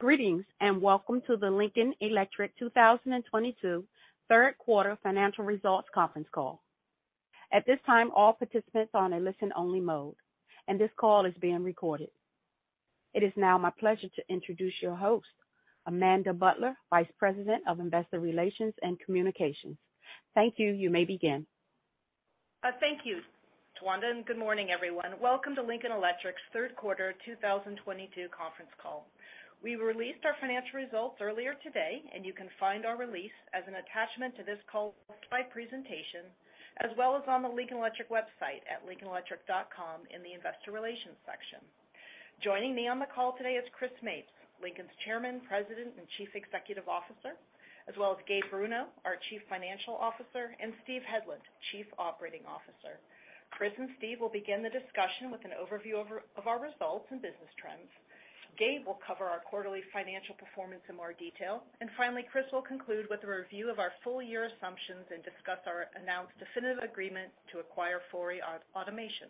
Greetings, and welcome to the Lincoln Electric 2022 Q3 financial results conference call. At this time, all participants are on a listen-only mode, and this call is being recorded. It is now my pleasure to introduce your host, Amanda Butler, Vice President of Investor Relations and Communications. Thank you. You may begin. Thank you, Tawanda, and good morning, everyone. Welcome to Lincoln Electric's Q3 2022 conference call. We released our financial results earlier today, and you can find our release as an attachment to this call and presentation, as well as on the Lincoln Electric website at lincolnelectric.com in the Investor Relations section. Joining me on the call today is Christopher Mapes, Lincoln's Chairman, President, and Chief Executive Officer, as well as Gabriel Bruno, our Chief Financial Officer, and Steven Hedlund, Chief Operating Officer. Christopher and Steve will begin the discussion with an overview of our results and business trends. Gabe will cover our quarterly financial performance in more detail. Finally, Christopher will conclude with a review of our full year assumptions and discuss our announced definitive agreement to acquire Fori Automation.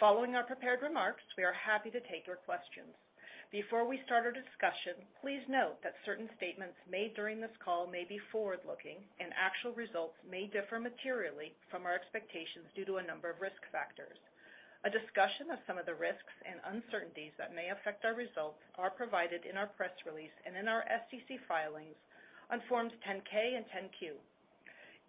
Following our prepared remarks, we are happy to take your questions. Before we start our discussion, please note that certain statements made during this call may be forward-looking, and actual results may differ materially from our expectations due to a number of risk factors. A discussion of some of the risks and uncertainties that may affect our results are provided in our press release and in our SEC filings on Forms 10-K and 10-Q.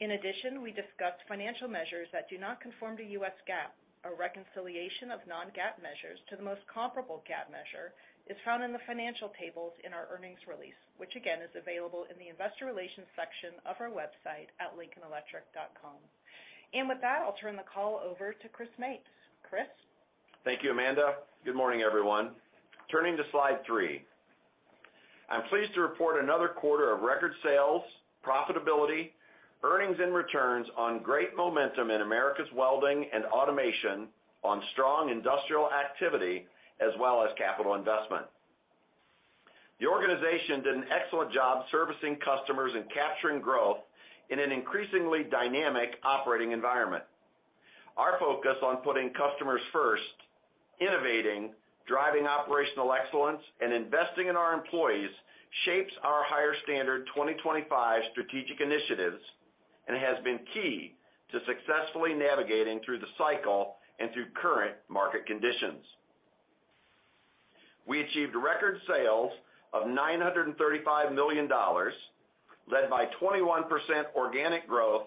In addition, we discuss financial measures that do not conform to U.S. GAAP. A reconciliation of non-GAAP measures to the most comparable GAAP measure is found in the financial tables in our earnings release, which again is available in the Investor Relations section of our website at lincolnelectric.com. With that, I'll turn the call over to Christopher Mapes. Christopher? Thank you, Amanda. Good morning, everyone. Turning to slide three. I'm pleased to report another quarter of record sales, profitability, earnings and returns with great momentum in Americas Welding and automation on strong industrial activity as well as capital investment. The organization did an excellent job servicing customers and capturing growth in an increasingly dynamic operating environment. Our focus on putting customers first, innovating, driving operational excellence, and investing in our employees shapes our Higher Standard 2025 Strategy strategic initiatives and has been key to successfully navigating through the cycle and through current market conditions. We achieved record sales of $935 million, led by 21% organic growth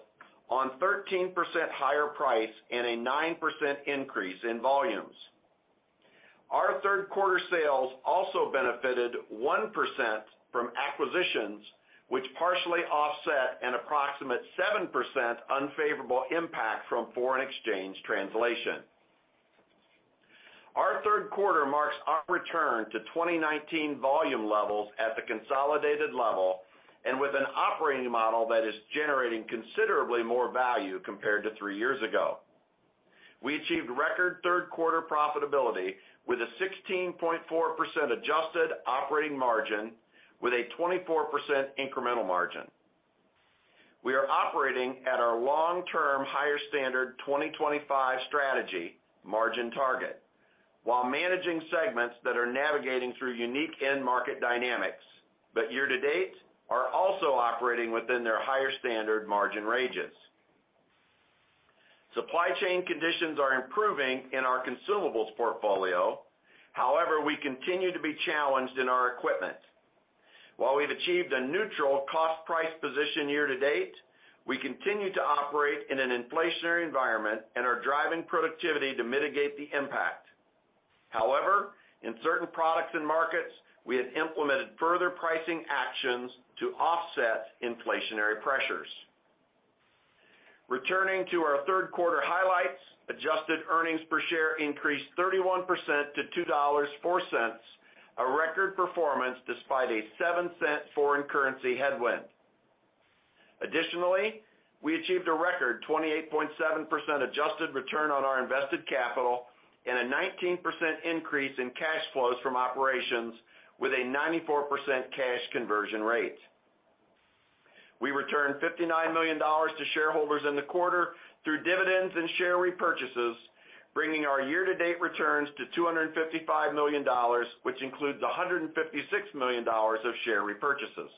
on 13% higher price and a 9% increase in volumes. Our Q3 sales also benefited 1% from acquisitions, which partially offset an approximate 7% unfavorable impact from foreign exchange translation. Our Q3 marks our return to 2019 volume levels at the consolidated level and with an operating model that is generating considerably more value compared to 3 years ago. We achieved record Q3 profitability with a 16.4% adjusted operating margin with a 24% incremental margin. We are operating at our long-term Higher Standard 2025 Strategy margin target while managing segments that are navigating through unique end market dynamics, but year-to-date are also operating within their Higher Standard margin ranges. Supply chain conditions are improving in our consumables portfolio. However, we continue to be challenged in our equipment. While we've achieved a neutral cost-price position year-to-date, we continue to operate in an inflationary environment and are driving productivity to mitigate the impact. However, in certain products and markets, we have implemented further pricing actions to offset inflationary pressures. Returning to our Q3 highlights, adjusted earnings per share increased 31% to $2.04, a record performance despite a $0.07 foreign currency headwind. Additionally, we achieved a record 28.7% adjusted return on our invested capital and a 19% increase in cash flows from operations with a 94% cash conversion rate. We returned $59 million to shareholders in the quarter through dividends and share repurchases, bringing our year-to-date returns to $255 million, which includes $156 million of share repurchases.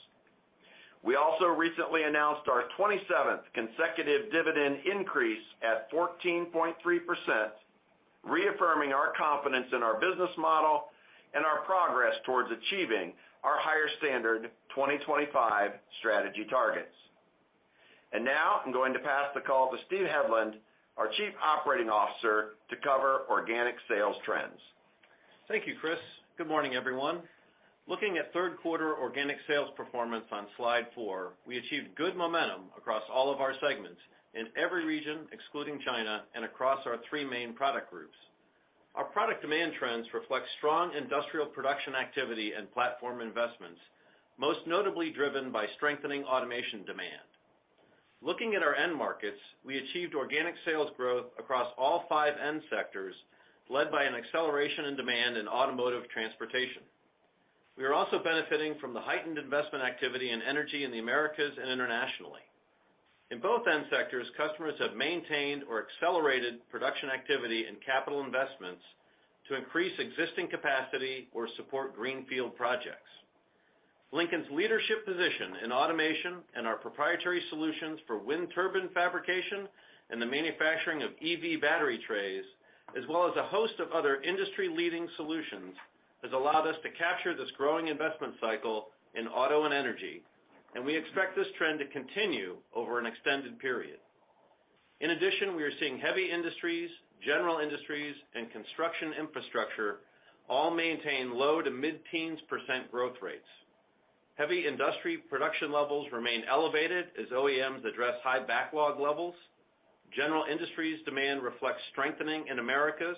We also recently announced our 27th consecutive dividend increase at 14.3%, reaffirming our confidence in our business model and our progress towards achieving our Higher Standard 2025 Strategy targets. Now I'm going to pass the call to Steven Hedlund, our Chief Operating Officer, to cover organic sales trends. Thank you, Christopher. Good morning, everyone. Looking at Q3 organic sales performance on slide four, we achieved good momentum across all of our segments in every region excluding China and across our three main product groups. Our product demand trends reflect strong industrial production activity and platform investments, most notably driven by strengthening automation demand. Looking at our end markets, we achieved organic sales growth across all five end sectors, led by an acceleration in demand in automotive transportation. We are also benefiting from the heightened investment activity in energy in the Americas and internationally. In both end sectors, customers have maintained or accelerated production activity and capital investments to increase existing capacity or support greenfield projects. Lincoln's leadership position in automation and our proprietary solutions for wind turbine fabrication and the manufacturing of EV battery trays, as well as a host of other industry-leading solutions, has allowed us to capture this growing investment cycle in auto and energy, and we expect this trend to continue over an extended period. In addition, we are seeing heavy industries, general industries, and construction infrastructure all maintain low- to mid-teens % growth rates. Heavy industry production levels remain elevated as OEMs address high backlog levels. General Industries demand reflects strengthening in Americas,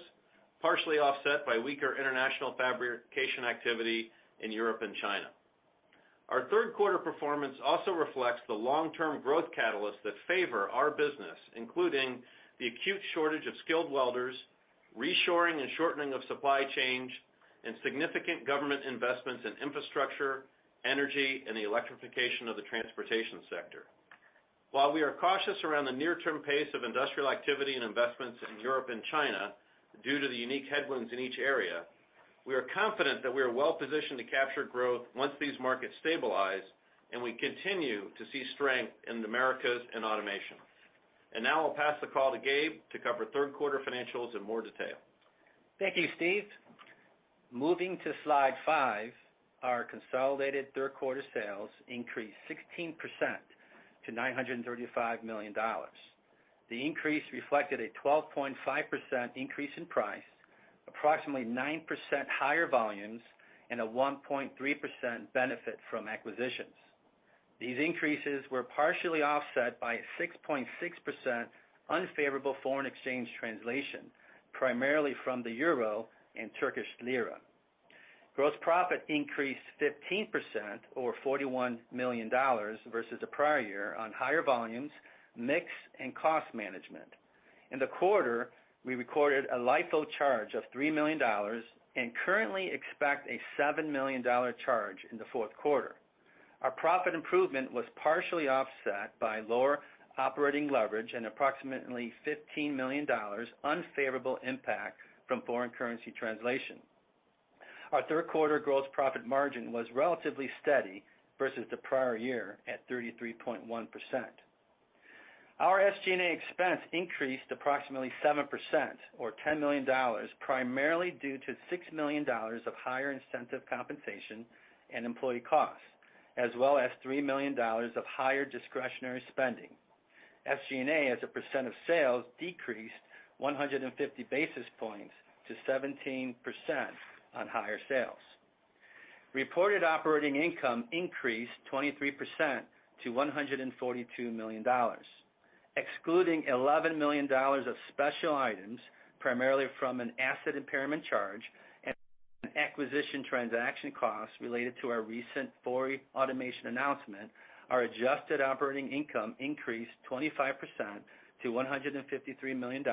partially offset by weaker international fabrication activity in Europe and China. Our Q3 performance also reflects the long-term growth catalysts that favor our business, including the acute shortage of skilled welders, reshoring and shortening of supply chains, and significant government investments in infrastructure, energy, and the electrification of the transportation sector. While we are cautious around the near-term pace of industrial activity and investments in Europe and China due to the unique headwinds in each area, we are confident that we are well-positioned to capture growth once these markets stabilize, and we continue to see strength in Americas and automation. Now I'll pass the call to Gabe to cover Q3 financials in more detail. Thank you, Steve. Moving to slide five, our consolidated Q3 sales increased 16% to $935 million. The increase reflected a 12.5% increase in price, approximately 9% higher volumes, and a 1.3% benefit from acquisitions. These increases were partially offset by a 6.6% unfavorable foreign exchange translation, primarily from the euro and Turkish lira. Gross profit increased 15%, or $41 million, versus the prior year on higher volumes, mix, and cost management. In the quarter, we recorded a LIFO charge of $3 million and currently expect a $7 million charge in the Q4. Our profit improvement was partially offset by lower operating leverage and approximately $15 million unfavorable impact from foreign currency translation. Our Q3 gross profit margin was relatively steady versus the prior year at 33.1%. Our SG&A expense increased approximately 7% or $10 million, primarily due to $6 million of higher incentive compensation and employee costs, as well as $3 million of higher discretionary spending. SG&A, as a percent of sales, decreased 150 basis points to 17% on higher sales. Reported operating income increased 23% to $142 million. Excluding $11 million of special items, primarily from an asset impairment charge and acquisition transaction costs related to our recent Fori automation announcement, our adjusted operating income increased 25% to $153 million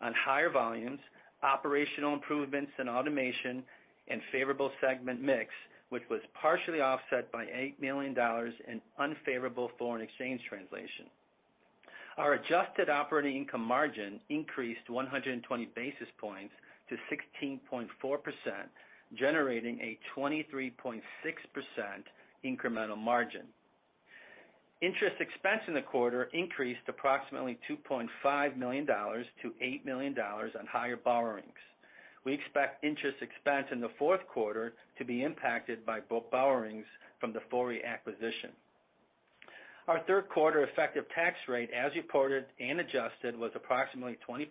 on higher volumes, operational improvements in automation and favorable segment mix, which was partially offset by $8 million in unfavorable foreign exchange translation. Our adjusted operating income margin increased 120 basis points to 16.4%, generating a 23.6% incremental margin. Interest expense in the quarter increased approximately $2.5 million to $8 million on higher borrowings. We expect interest expense in the Q4 to be impacted by book borrowings from the Fori acquisition. Our Q3 effective tax rate, as reported and adjusted, was approximately 20%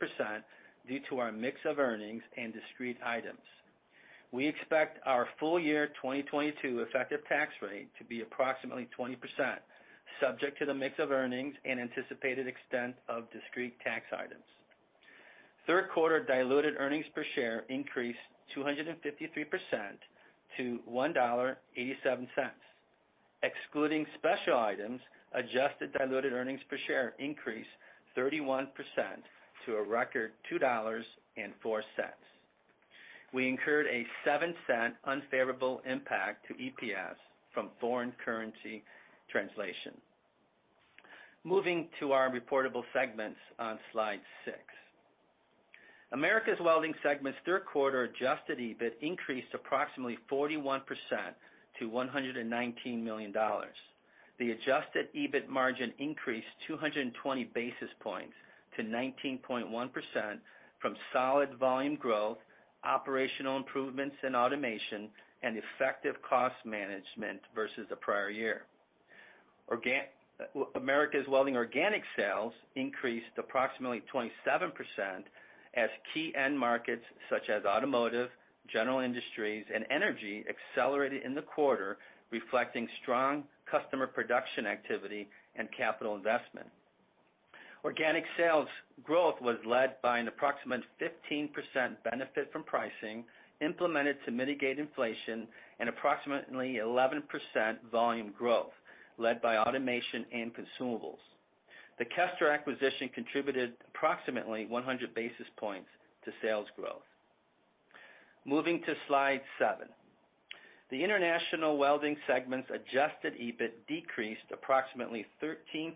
due to our mix of earnings and discrete items. We expect our full year 2022 effective tax rate to be approximately 20% subject to the mix of earnings and anticipated extent of discrete tax items. Q3 diluted earnings per share increased 253% to $1.87. Excluding special items, adjusted diluted earnings per share increased 31% to a record $2.04. We incurred a $0.07 unfavorable impact to EPS from foreign currency translation. Moving to our reportable segments on slide six. Americas Welding segment's Q3 adjusted EBIT increased approximately 41% to $119 million. The adjusted EBIT margin increased 220 basis points to 19.1% from solid volume growth, operational improvements in automation, and effective cost management versus the prior year. Americas Welding organic sales increased approximately 27% as key end markets such as automotive, general industries, and energy accelerated in the quarter, reflecting strong customer production activity and capital investment. Organic sales growth was led by an approximate 15% benefit from pricing implemented to mitigate inflation and approximately 11% volume growth led by automation and consumables. The Kester acquisition contributed approximately 100 basis points to sales growth. Moving to slide seven. The International Welding segment's adjusted EBIT decreased approximately 13%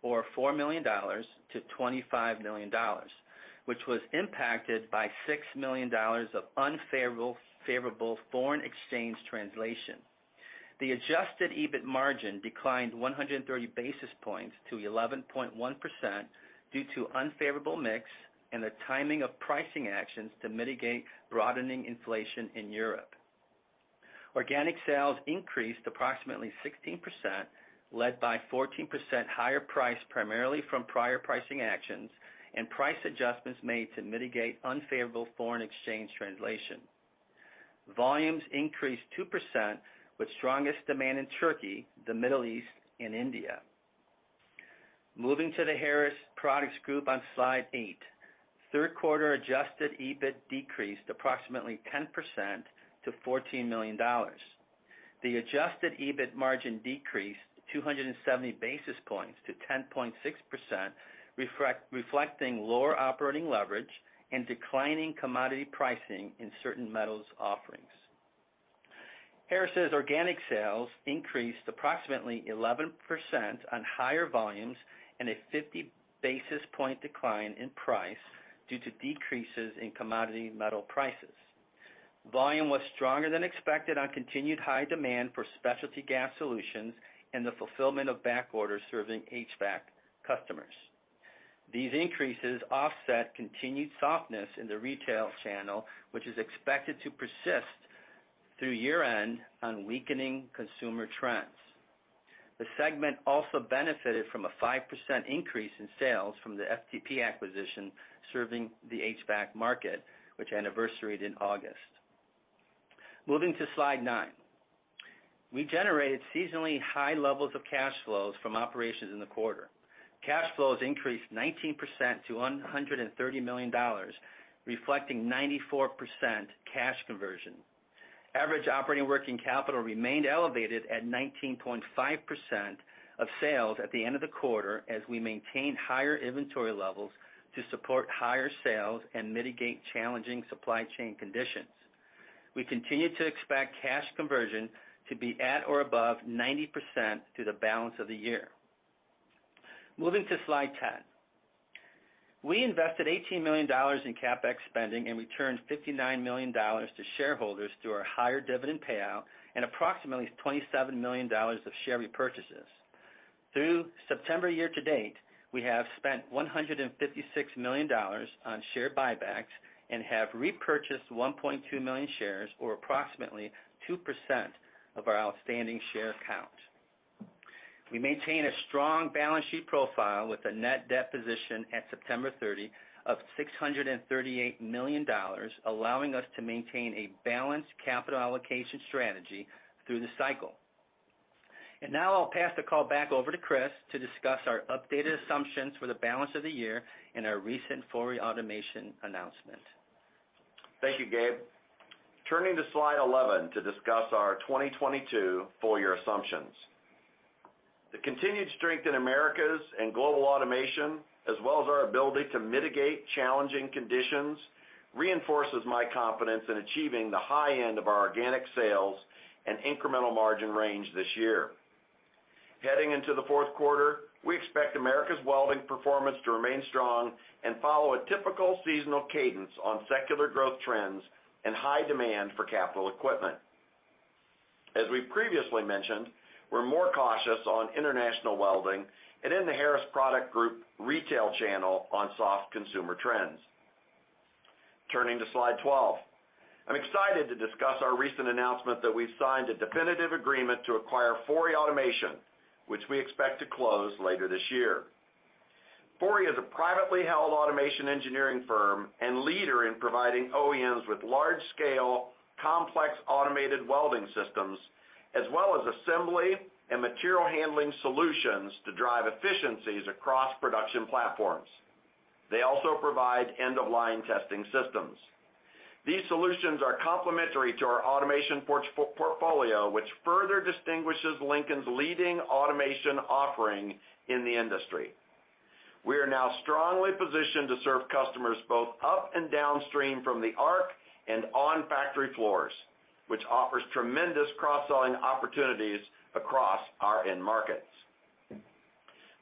or $4 million to $25 million, which was impacted by $6 million of unfavorable foreign exchange translation. The adjusted EBIT margin declined 130 basis points to 11.1% due to unfavorable mix and the timing of pricing actions to mitigate broadening inflation in Europe. Organic sales increased approximately 16%, led by 14% higher price primarily from prior pricing actions and price adjustments made to mitigate unfavorable foreign exchange translation. Volumes increased 2%, with strongest demand in Turkey, the Middle East, and India. Moving to The Harris Products Group on Slide 8. Q3 adjusted EBIT decreased approximately 10% to $14 million. The adjusted EBIT margin decreased 270 basis points to 10.6%, reflecting lower operating leverage and declining commodity pricing in certain metals offerings. Harris' organic sales increased approximately 11% on higher volumes and a 50 basis point decline in price due to decreases in commodity metal prices. Volume was stronger than expected on continued high demand for specialty gas solutions and the fulfillment of back orders serving HVAC customers. These increases offset continued softness in the retail channel, which is expected to persist through year-end on weakening consumer trends. The segment also benefited from a 5% increase in sales from the FTP acquisition serving the HVAC market, which anniversaried in August. Moving to slide nine. We generated seasonally high levels of cash flows from operations in the quarter. Cash flows increased 19% to $130 million, reflecting 94% cash conversion. Average operating working capital remained elevated at 19.5% of sales at the end of the quarter as we maintained higher inventory levels to support higher sales and mitigate challenging supply chain conditions. We continue to expect cash conversion to be at or above 90% through the balance of the year. Moving to slide 10. We invested $18 million in CapEx spending and returned $59 million to shareholders through our higher dividend payout and approximately $27 million of share repurchases. Through September year-to-date, we have spent $156 million on share buybacks and have repurchased 1.2 million shares, or approximately 2% of our outstanding share count. We maintain a strong balance sheet profile with a net debt position at September 30 of $638 million, allowing us to maintain a balanced capital allocation strategy through the cycle. Now I'll pass the call back over to Christopher to discuss our updated assumptions for the balance of the year and our recent Fori Automation announcement. Thank you, Gabriel. Turning to slide 11 to discuss our 2022 full year assumptions. The continued strength in Americas and global automation, as well as our ability to mitigate challenging conditions, reinforces my confidence in achieving the high end of our organic sales and incremental margin range this year. Heading into the Q4, we expect Americas welding performance to remain strong and follow a typical seasonal cadence on secular growth trends and high demand for capital equipment. As we previously mentioned, we're more cautious on International Welding and in the Harris Products Group retail channel on soft consumer trends. Turning to slide 12. I'm excited to discuss our recent announcement that we've signed a definitive agreement to acquire Fori Automation, which we expect to close later this year. Fori is a privately held automation engineering firm and leader in providing OEMs with large-scale complex automated welding systems, as well as assembly and material handling solutions to drive efficiencies across production platforms. They also provide end-of-line testing systems. These solutions are complementary to our automation portfolio, which further distinguishes Lincoln's leading automation offering in the industry. We are now strongly positioned to serve customers both up and downstream from the arc and on factory floors, which offers tremendous cross-selling opportunities across our end markets.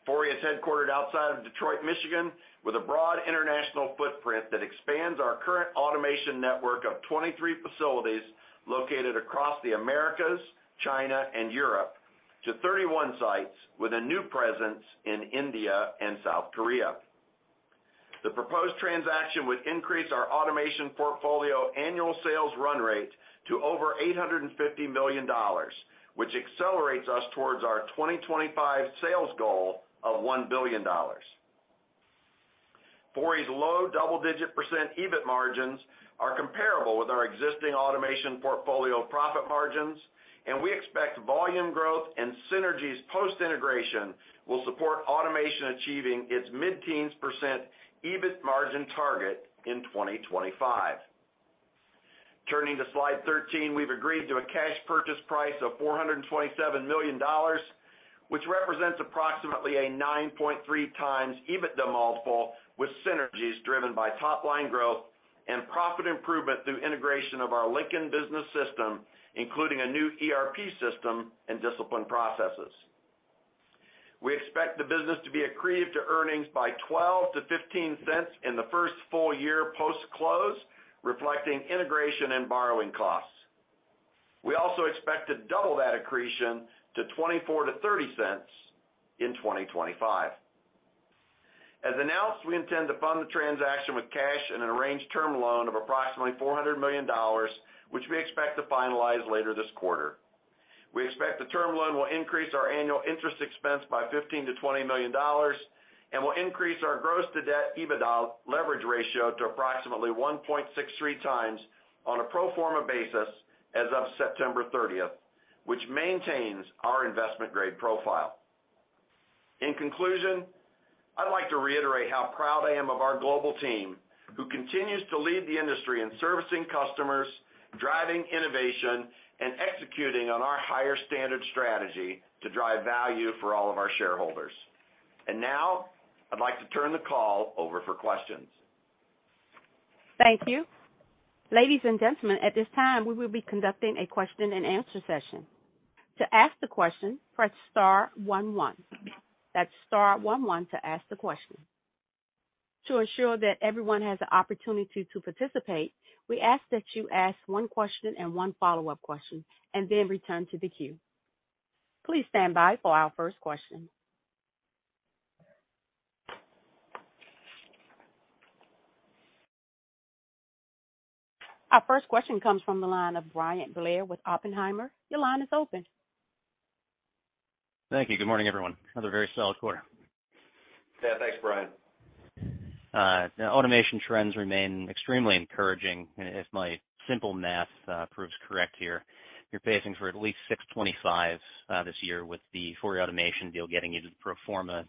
Fori is headquartered outside of Detroit, Michigan, with a broad international footprint that expands our current automation network of 23 facilities located across the Americas, China, and Europe to 31 sites with a new presence in India and South Korea. The proposed transaction would increase our automation portfolio annual sales run rate to over $850 million, which accelerates us towards our 2025 sales goal of $1 billion. Fori's low double-digit % EBIT margins are comparable with our existing automation portfolio profit margins, and we expect volume growth and synergies post-integration will support automation achieving its mid-teens % EBIT margin target in 2025. Turning to slide 13, we've agreed to a cash purchase price of $427 million, which represents approximately a 9.3x EBITDA multiple, with synergies driven by top line growth and profit improvement through integration of our Lincoln Business System, including a new ERP system and disciplined processes. We expect the business to be accretive to earnings by $0.12-$0.15 in the first full year post-close, reflecting integration and borrowing costs. We also expect to double that accretion to $0.20 to 0.30 in 2025. As announced, we intend to fund the transaction with cash and an arranged term loan of approximately $400 million, which we expect to finalize later this quarter. We expect the term loan will increase our annual interest expense by $15 to 20 million and will increase our net debt to EBITDA leverage ratio to approximately 1.63x on a pro forma basis as of September 30, which maintains our investment grade profile. In conclusion, I'd like to reiterate how proud I am of our global team, who continues to lead the industry in servicing customers, driving innovation, and executing on our Higher Standard strategy to drive value for all of our shareholders. Now I'd like to turn the call over for questions. Thank you. Ladies and gentlemen, at this time, we will be conducting a question-and-answer session. To ask the question, press star one one. That's star one one to ask the question. To ensure that everyone has the opportunity to participate, we ask that you ask one question and one follow-up question and then return to the queue. Please stand by for our first question. Our first question comes from the line of Bryan Blair with Oppenheimer. Your line is open. Thank you. Good morning, everyone. Another very solid quarter. Yeah, thanks, Bryan. Now automation trends remain extremely encouraging. If my simple math proves correct here, you're pacing for at least $625 this year with the Fori Automation deal getting you to pro forma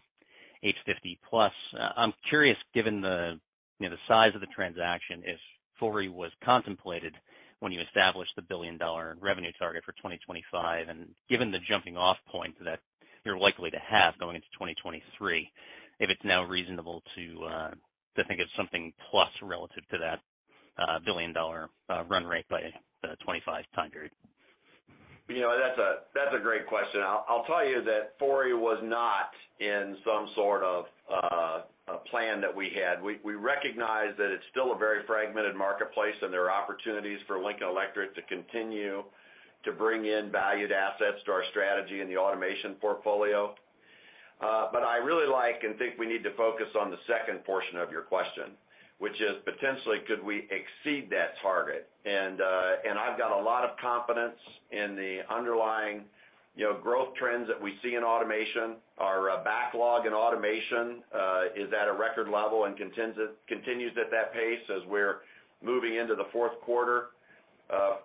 H $50 plus. I'm curious, given the the size of the transaction, if Fori was contemplated when you established the billion-dollar revenue target for 2025, and given the jumping off point that you're likely to have going into 2023, if it's now reasonable to think of something plus relative to that billion-dollar run rate by the 2025 time period. You know, that's a great question. I'll tell you that Fori was not in some sort of a plan that we had. We recognize that it's still a very fragmented marketplace, and there are opportunities for Lincoln Electric to continue to bring in valued assets to our strategy in the automation portfolio. I really like and think we need to focus on the second portion of your question, which is potentially could we exceed that target. I've got a lot of confidence in the underlying growth trends that we see in automation. Our backlog in automation is at a record level and continues at that pace as we're moving into the Q4.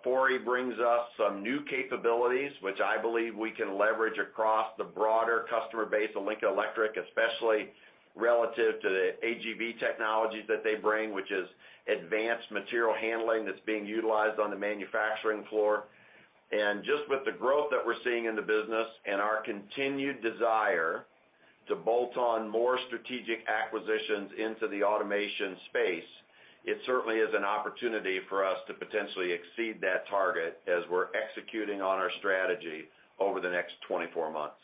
Fori brings us some new capabilities, which I believe we can leverage across the broader customer base of Lincoln Electric, especially relative to the AGV technologies that they bring, which is advanced material handling that's being utilized on the manufacturing floor. Just with the growth that we're seeing in the business and our continued desire to bolt on more strategic acquisitions into the automation space, it certainly is an opportunity for us to potentially exceed that target as we're executing on our strategy over the next 24 months.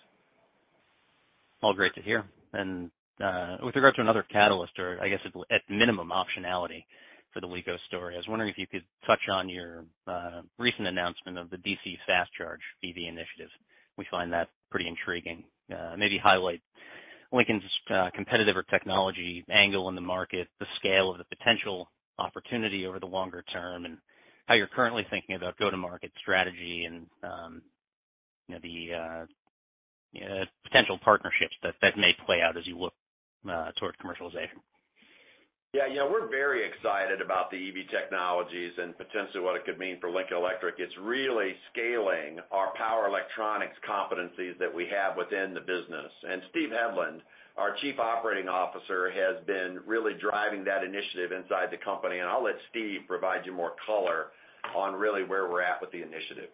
All great to hear. With regard to another catalyst or I guess at minimum optionality for the LECO story, I was wondering if you could touch on your recent announcement of the DC fast charge EV initiative. We find that pretty intriguing. Maybe highlight Lincoln's competitive or technology angle in the market, the scale of the potential opportunity over the longer term, and how you're currently thinking about go-to-market strategy and the potential partnerships that may play out as you look towards commercialization. Yeah. we're very excited about the EV technologies and potentially what it could mean for Lincoln Electric. It's really scaling our power electronics competencies that we have within the business. Steven Hedlund, our Chief Operating Officer, has been really driving that initiative inside the company, and I'll let Steve provide you more color on really where we're at with the initiative.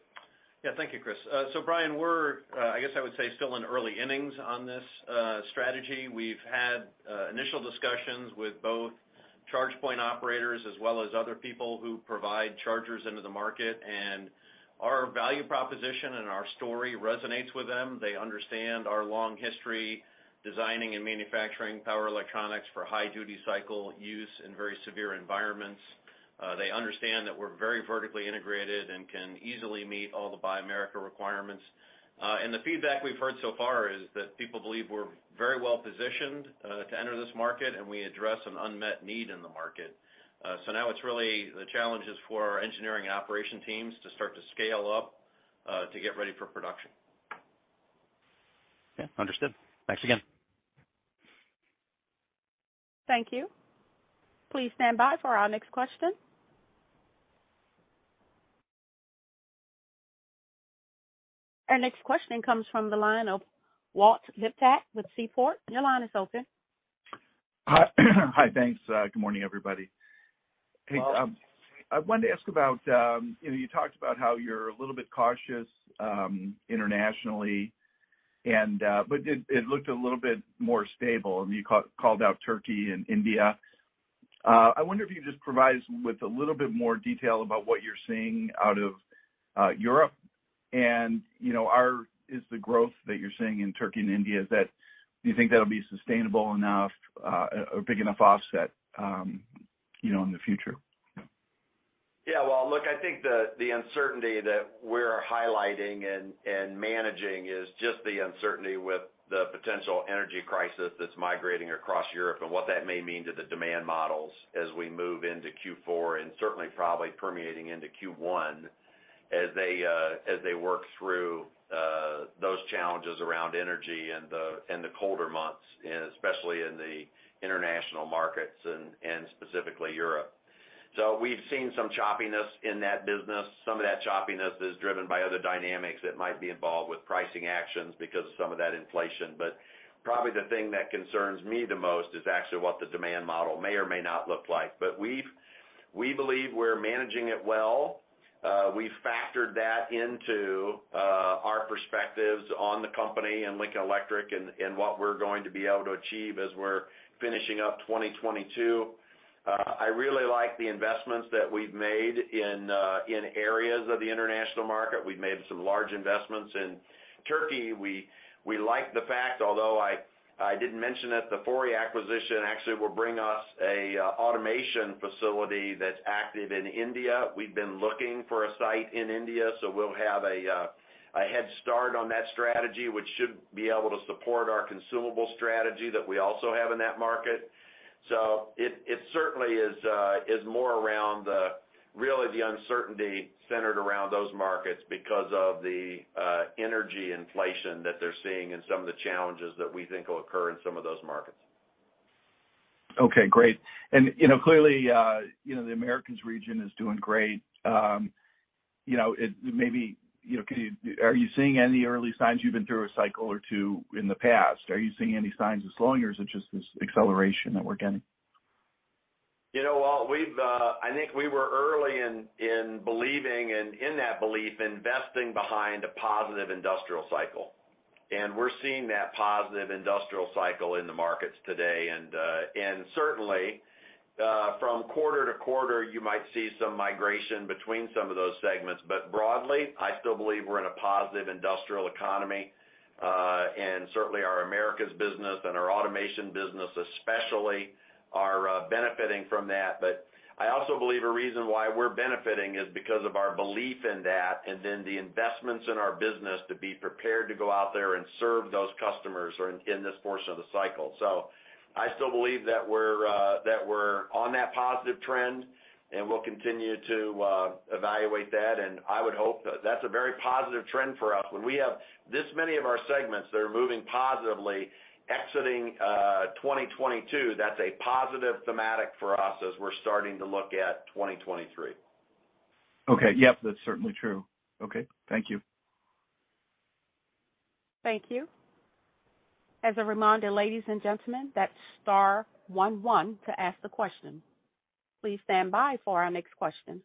Yeah. Thank you, Christopher. Brian, we're, I guess I would say, still in early innings on this, strategy. We've had initial discussions with both Charge Point Operators as well as other people who provide chargers into the market, and our value proposition and our story resonates with them. They understand our long history designing and manufacturing power electronics for high duty cycle use in very severe environments. They understand that we're very vertically integrated and can easily meet all the Buy America requirements. The feedback we've heard so far is that people believe we're very well positioned to enter this market, and we address an unmet need in the market. Now it's really the challenge is for our engineering and operations teams to start to scale up to get ready for production. Yeah. Understood. Thanks again. Thank you. Please stand by for our next question. Our next question comes from the line of Walt Liptak with Seaport. Your line is open. Hi, thanks. Good morning, everybody. Walt. Hey, I wanted to ask about you talked about how you're a little bit cautious internationally and but it looked a little bit more stable. I mean, you called out Turkey and India. I wonder if you could just provide us with a little bit more detail about what you're seeing out of Europe. Is the growth that you're seeing in Turkey and India, is that Do you think that'll be sustainable enough or big enough offset in the future? Yeah. Well, look, I think the uncertainty that we're highlighting and managing is just the uncertainty with the potential energy crisis that's migrating across Europe and what that may mean to the demand models as we move into Q4 and certainly probably permeating into Q1, as they work through those challenges around energy and the colder months, and especially in the international markets and specifically Europe. We've seen some choppiness in that business. Some of that choppiness is driven by other dynamics that might be involved with pricing actions because of some of that inflation. Probably the thing that concerns me the most is actually what the demand model may or may not look like. We believe we're managing it well. We've factored that into our perspectives on the company and Lincoln Electric and what we're going to be able to achieve as we're finishing up 2022. I really like the investments that we've made in areas of the international market. We've made some large investments in Turkey. We like the fact, although I didn't mention it, the Fori acquisition actually will bring us an automation facility that's active in India. We've been looking for a site in India, so we'll have a head start on that strategy, which should be able to support our consumable strategy that we also have in that market. It certainly is more around the really the uncertainty centered around those markets because of the energy inflation that they're seeing and some of the challenges that we think will occur in some of those markets. Okay, great. clearly the Americas region is doing great. it maybe are you seeing any early signs? You've been through a cycle or two in the past. Are you seeing any signs of slowing, or is it just this acceleration that we're getting? You know, Walt, we've I think we were early in believing and in that belief, investing behind a positive industrial cycle. We're seeing that positive industrial cycle in the markets today. Certainly from quarter to quarter, you might see some migration between some of those segments, but broadly, I still believe we're in a positive industrial economy. Certainly our Americas business and our automation business especially are benefiting from that. I also believe a reason why we're benefiting is because of our belief in that and then the investments in our business to be prepared to go out there and serve those customers or in this portion of the cycle. I still believe that we're on that positive trend, and we'll continue to evaluate that. I would hope that's a very positive trend for us. When we have this many of our segments that are moving positively exiting 2022, that's a positive thematic for us as we're starting to look at 2023. Okay. Yes, That's certainly true. Okay, thank you. Thank you. As a reminder, ladies and gentlemen, that's star one one to ask the question. Please stand by for our next question.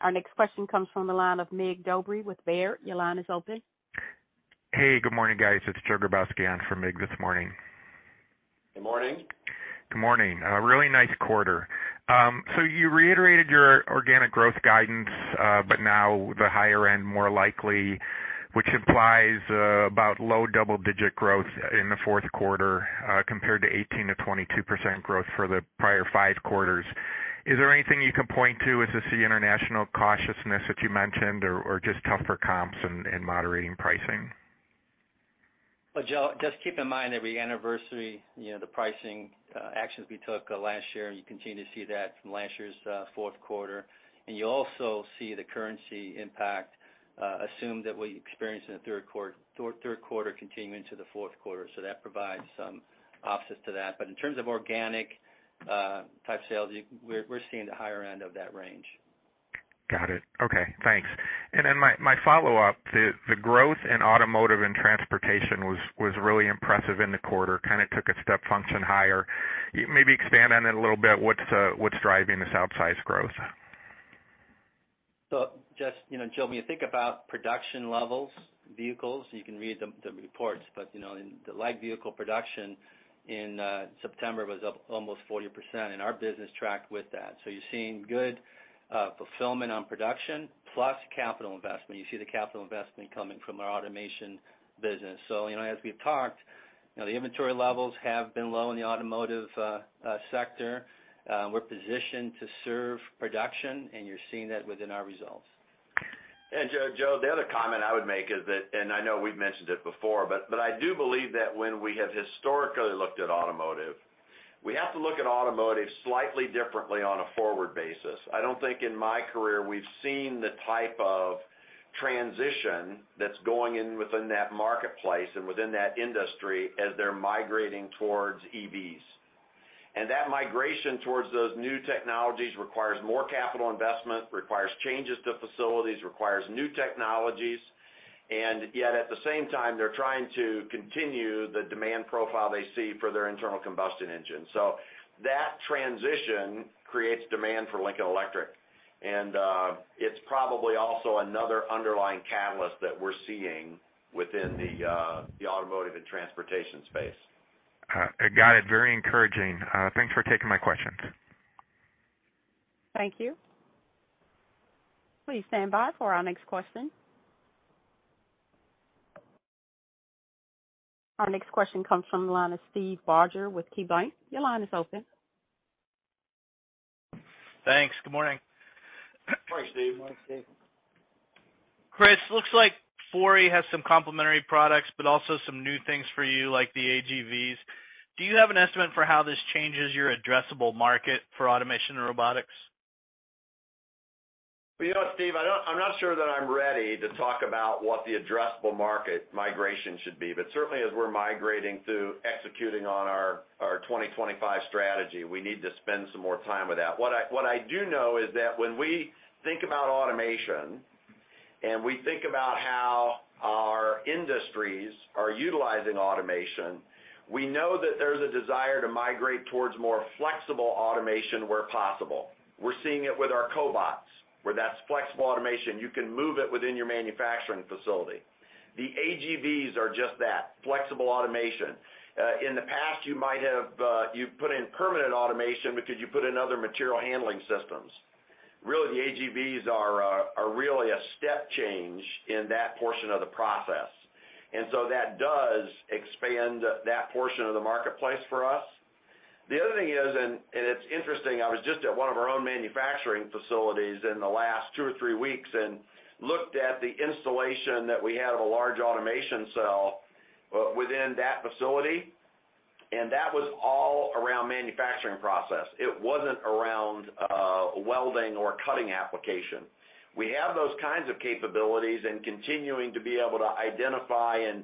Our next question comes from the line of Mig Dobre with Baird. Your line is open. Hey, good morning, guys. It's Joseph Grabowski on for Mig this morning. Good morning. Good morning. A really nice quarter. You reiterated your organic growth guidance, but now the higher end more likely, which implies about low double-digit growth in the Q4, compared to 18%-22% growth for the prior five quarters. Is there anything you can point to? Is this the international cautiousness that you mentioned or just tougher comps and moderating pricing? Well, Joseph, just keep in mind every anniversary the pricing actions we took last year, and you continue to see that from last year's Q4. You also see the currency impact assumed that what you experienced in the Q3 continue into the Q4. That provides some offsets to that. In terms of organic type sales, you we're seeing the higher end of that range. Got it. Okay, thanks. Then my follow-up, the growth in automotive and transportation was really impressive in the quarter. Kinda took a step function higher. Maybe expand on it a little bit. What's driving this outsized growth? Just Joseph, when you think about production levels, vehicles, you can read the reports, but in the light vehicle production in September was up almost 40%, and our business tracked with that. You're seeing good fulfillment on production plus capital investment. You see the capital investment coming from our automation business. as we've talked the inventory levels have been low in the automotive sector. We're positioned to serve production, and you're seeing that within our results. Joseph, the other comment I would make is that, and I know we've mentioned it before, but I do believe that when we have historically looked at automotive, we have to look at automotive slightly differently on a forward basis. I don't think in my career we've seen the type of transition that's going on within that marketplace and within that industry as they're migrating towards EVs. That migration towards those new technologies requires more capital investment, requires changes to facilities, requires new technologies, and yet at the same time, they're trying to continue the demand profile they see for their internal combustion engine. That transition creates demand for Lincoln Electric, and it's probably also another underlying catalyst that we're seeing within the automotive and transportation space. Got it. Very encouraging. Thanks for taking my questions. Thank you. Please stand by for our next question. Our next question comes from the line of Steve Barger with KeyBanc. Your line is open. Thanks. Good morning. Morning, Steve. Morning, Steve. Christopher, looks like Fori has some complementary products, but also some new things for you, like the AGVs. Do you have an estimate for how this changes your addressable market for automation and robotics? well Steve, I don't, I'm not sure that I'm ready to talk about what the addressable market migration should be, but certainly as we're migrating through executing on our 2025 strategy, we need to spend some more time with that. What I do know is that when we think about automation, and we think about how our industries are utilizing automation, we know that there's a desire to migrate towards more flexible automation where possible. We're seeing it with our cobots, where that's flexible automation. You can move it within your manufacturing facility. The AGVs are just that, flexible automation. In the past, you might have, you put in permanent automation because you put in other material handling systems. Really, the AGVs are really a step change in that portion of the process. That does expand that portion of the marketplace for us. The other thing is, it's interesting, I was just at one of our own manufacturing facilities in the last two or three weeks and looked at the installation that we have a large automation cell within that facility, and that was all around manufacturing process. It wasn't around, welding or cutting application. We have those kinds of capabilities, and continuing to be able to identify and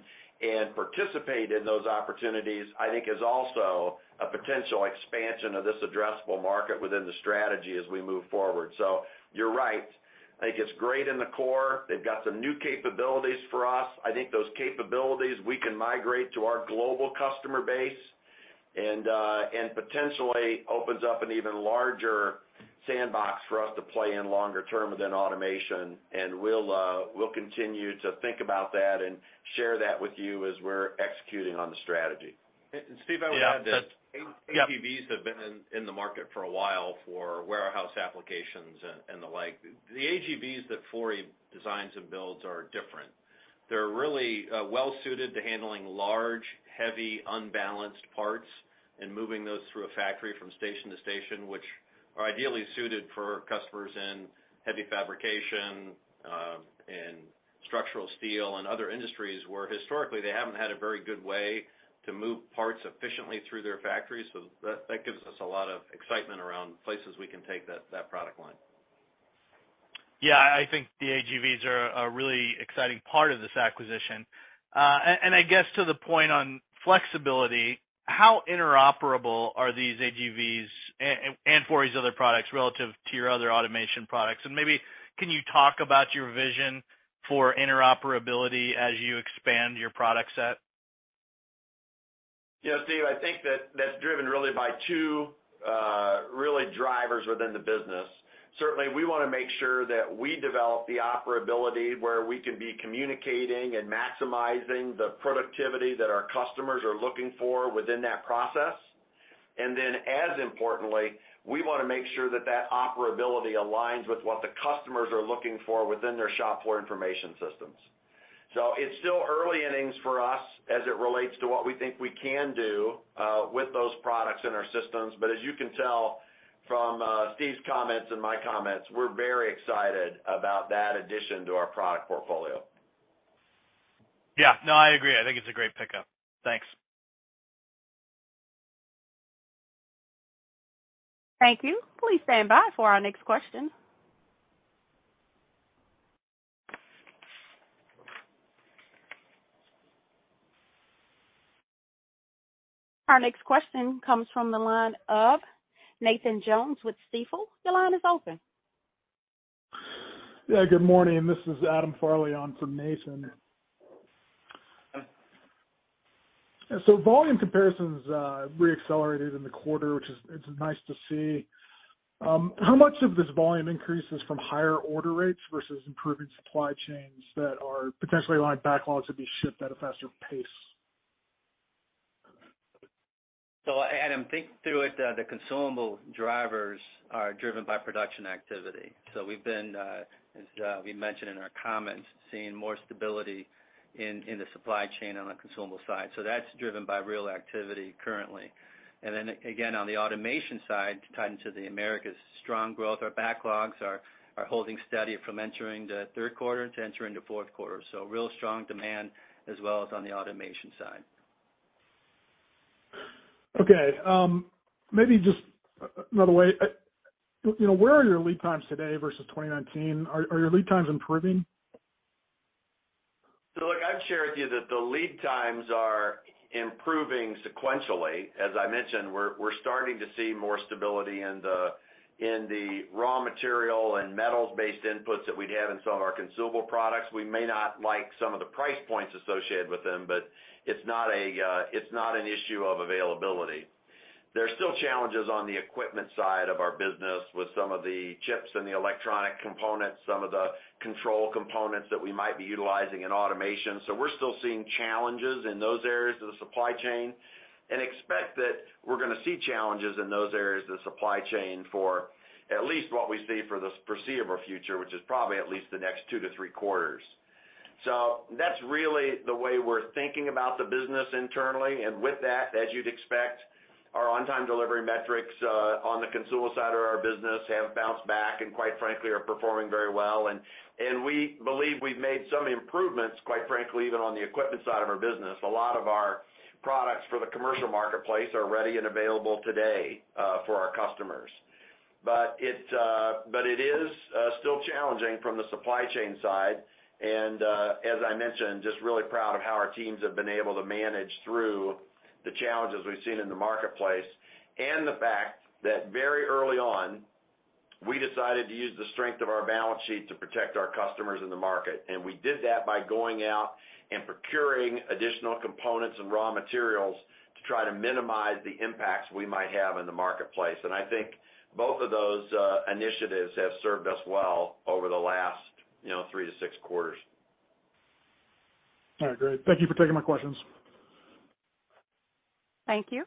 participate in those opportunities, I think is also a potential expansion of this addressable market within the strategy as we move forward. You're right. I think it's great in the core. They've got some new capabilities for us. I think those capabilities we can migrate to our global customer base and potentially opens up an even larger sandbox for us to play in longer term within automation. We'll continue to think about that and share that with you as we're executing on the strategy. Steve, I would add that. Yeah. AGVs have been in the market for a while for warehouse applications and the like. The AGVs that Fori designs and builds are different. They're really well suited to handling large, heavy, unbalanced parts and moving those through a factory from station to station, which are ideally suited for customers in heavy fabrication in structural steel and other industries where historically they haven't had a very good way to move parts efficiently through their factories. That gives us a lot of excitement around places we can take that product line. Yeah, I think the AGVs are a really exciting part of this acquisition. I guess to the point on flexibility, how interoperable are these AGVs and Fori's other products relative to your other automation products? Maybe can you talk about your vision for interoperability as you expand your product set? Yeah, Steve, I think that that's driven really by two, really drivers within the business. Certainly, we wanna make sure that we develop the operability where we can be communicating and maximizing the productivity that our customers are looking for within that process. As importantly, we wanna make sure that that operability aligns with what the customers are looking for within their shop floor information systems. It's still early innings for us as it relates to what we think we can do with those products in our systems. As you can tell from Steve's comments and my comments, we're very excited about that addition to our product portfolio. Yeah. No, I agree. I think it's a great pickup. Thanks. Thank you. Please stand by for our next question. Our next question comes from the line of Nathan Jones with Stifel. Your line is open. Yeah. Good morning. This is Adam Farley on for Nathan. Volume comparisons re-accelerated in the quarter, which is. It's nice to see. How much of this volume increase is from higher order rates versus improving supply chains that are potentially allowing backlogs to be shipped at a faster pace? Adam, think through it, the consumable drivers are driven by production activity. We've been, as we mentioned in our comments, seeing more stability in the supply chain on the consumable side. That's driven by real activity currently. Then again, on the automation side, tied into the Americas' strong growth, our backlogs are holding steady from entering the Q3 to entering the Q4. Real strong demand as well as on the automation side. Okay. Maybe just another way where are your lead times today versus 2019? Are your lead times improving? Look, I'd share with you that the lead times are improving sequentially. As I mentioned, we're starting to see more stability in the raw material and metals-based inputs that we'd have in some of our consumable products. We may not like some of the price points associated with them, but it's not an issue of availability. There are still challenges on the equipment side of our business with some of the chips and the electronic components, some of the control components that we might be utilizing in automation. We're still seeing challenges in those areas of the supply chain and expect that we're gonna see challenges in those areas of the supply chain for at least what we see for the foreseeable future, which is probably at least the next two to three quarters. That's really the way we're thinking about the business internally. With that, as you'd expect, our on-time delivery metrics on the consumable side of our business have bounced back, and quite frankly, are performing very well. We believe we've made some improvements, quite frankly, even on the equipment side of our business. A lot of our products for the commercial marketplace are ready and available today for our customers. It is still challenging from the supply chain side. As I mentioned, just really proud of how our teams have been able to manage through the challenges we've seen in the marketplace. The fact that very early on, we decided to use the strength of our balance sheet to protect our customers in the market. We did that by going out and procuring additional components and raw materials to try to minimize the impacts we might have in the marketplace. I think both of those initiatives have served us well over the last 3-6 quarters. All right. Great. Thank you for taking my questions. Thank you.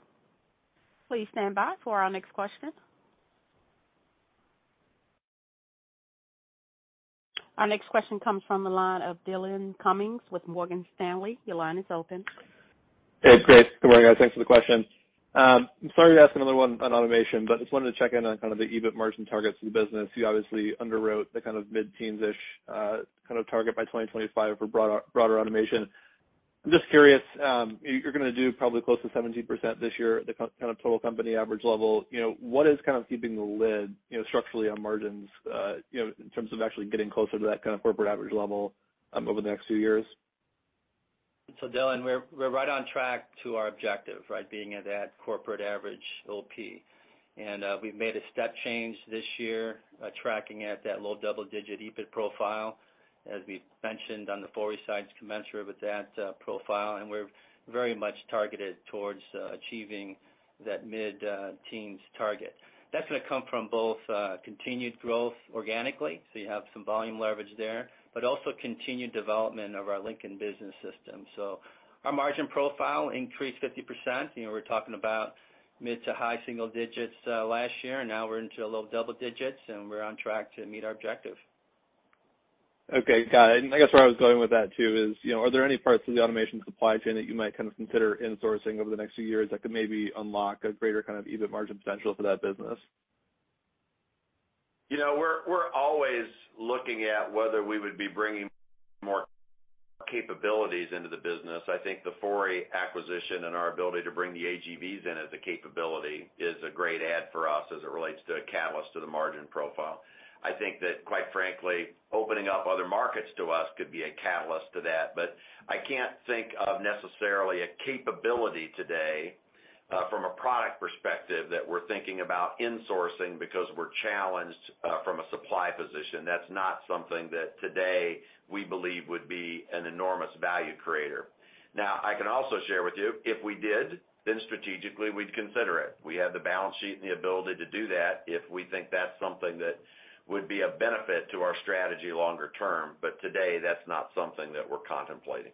Please stand by for our next question. Our next question comes from the line of Dillon Cumming with Morgan Stanley. Your line is open. Hey, Christopher. Good morning, guys. Thanks for the question. I'm sorry to ask another one on automation, but just wanted to check in on kind of the EBIT margin targets in the business. You obviously underwrote the kind of mid-teens-ish kind of target by 2025 for broader automation. I'm just curious, you're gonna do probably close to 17% this year at the kind of total company average level. what is kind of keeping the lid structurally on margins in terms of actually getting closer to that kind of corporate average level over the next few years? Dillon, we're right on track to our objective, right? Being at that corporate average OP. We've made a step change this year, tracking at that low double-digit EBIT profile, as we've mentioned on the Fori sites commensurate with that profile. We're very much targeted towards achieving that mid-teens target. That's gonna come from both continued growth organically, so you have some volume leverage there, but also continued development of our Lincoln Business System. Our margin profile increased 50%. we're talking about mid- to high-single digits last year, and now we're into low double digits, and we're on track to meet our objective. Okay. Got it. I guess where I was going with that too is are there any parts of the automation supply chain that you might kind of consider insourcing over the next few years that could maybe unlock a greater kind of EBIT margin potential for that business? You know, we're always looking at whether we would be bringing more capabilities into the business. I think the Fori acquisition and our ability to bring the AGVs in as a capability is a great add for us as it relates to a catalyst to the margin profile. I think that quite frankly, opening up other markets to us could be a catalyst to that. I can't think of necessarily a capability today from a product perspective that we're thinking about insourcing because we're challenged from a supply position. That's not something that today we believe would be an enormous value creator. Now, I can also share with you, if we did, then strategically we'd consider it. We have the balance sheet and the ability to do that if we think that's something that would be a benefit to our strategy longer term. today, that's not something that we're contemplating.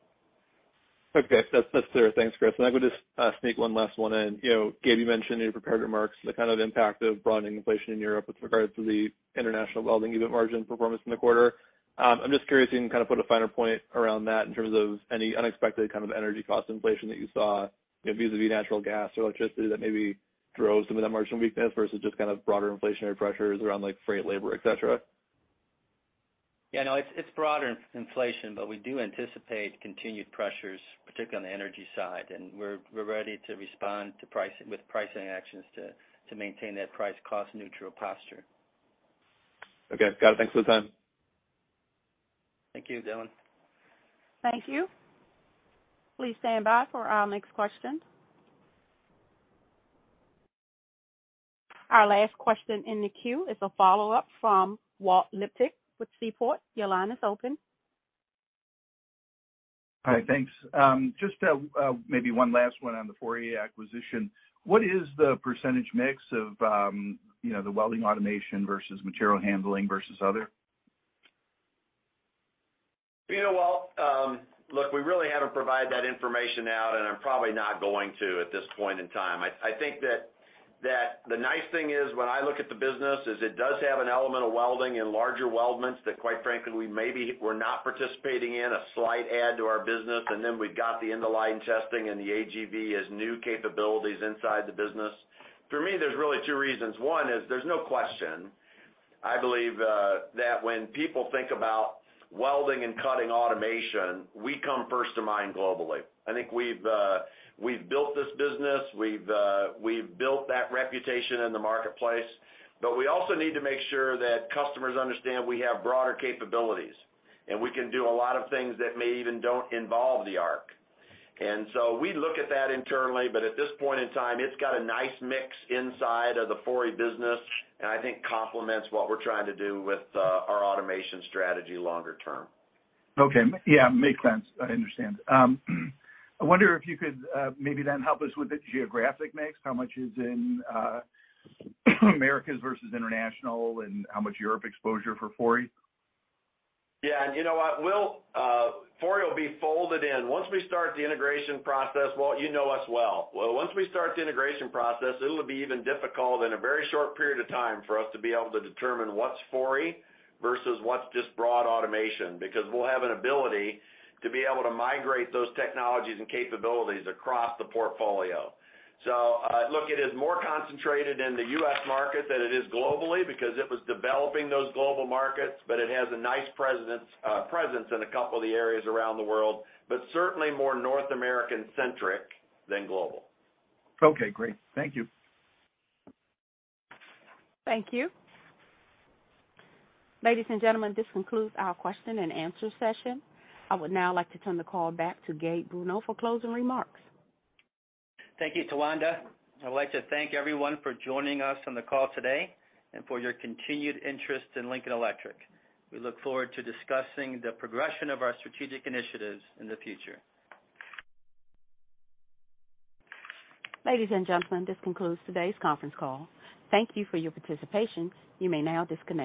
Okay. That's clear. Thanks, Christopher. I would just sneak one last one in. Gabe, you mentioned in your prepared remarks the kind of impact of broadening inflation in Europe with regards to the International Welding EBIT margin performance in the quarter. I'm just curious if you can kind of put a finer point around that in terms of any unexpected kind of energy cost inflation that you saw vis-a-vis natural gas or electricity that maybe drove some of that margin weakness versus just kind of broader inflationary pressures around like freight, labor, et cetera. Yeah, no, it's broader inflation, but we do anticipate continued pressures, particularly on the energy side. We're ready to respond to pricing with pricing actions to maintain that price cost neutral posture. Okay. Got it. Thanks for the time. Thank you, Dillon. Thank you. Please stand by for our next question. Our last question in the queue is a follow-up from Walt Liptak with Seaport. Your line is open. Hi. Thanks. Just maybe one last one on the Fori acquisition. What is the percentage mix of the welding automation versus material handling versus other? You know, Walt, look, we really haven't provided that information out, and I'm probably not going to at this point in time. I think that the nice thing is when I look at the business is it does have an element of welding and larger weldments that quite frankly, we maybe were not participating in, a slight add to our business. We've got the end-of-line testing and the AGV as new capabilities inside the business. For me, there's really two reasons. One is there's no question, I believe, that when people think about welding and cutting automation, we come first to mind globally. I think we've built this business, we've built that reputation in the marketplace, but we also need to make sure that customers understand we have broader capabilities, and we can do a lot of things that may even don't involve the arc. We look at that internally, but at this point in time, it's got a nice mix inside of the Fori business, and I think complements what we're trying to do with our automation strategy longer term. Okay. Yeah, makes sense. I understand. I wonder if you could, maybe then help us with the geographic mix, how much is in Americas versus international, and how much Europe exposure for Fori? Yeah. You know what? Fori will be folded in. Once we start the integration process, well, you know us well. It'll be even difficult in a very short period of time for us to be able to determine what's Fori versus what's just broad automation, because we'll have an ability to be able to migrate those technologies and capabilities across the portfolio. Look, it is more concentrated in the U.S. market than it is globally because it was developing those global markets, but it has a nice presence in a couple of the areas around the world, but certainly more North American-centric than global. Okay, great. Thank you. Thank you. Ladies and gentlemen, this concludes our question-and-answer session. I would now like to turn the call back to Gabriel Bruno for closing remarks. Thank you, Towanda. I'd like to thank everyone for joining us on the call today and for your continued interest in Lincoln Electric. We look forward to discussing the progression of our strategic initiatives in the future. Ladies and gentlemen, this concludes today's conference call. Thank you for your participation. You may now disconnect.